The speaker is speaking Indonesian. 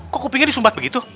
kok kupingnya disumbat begitu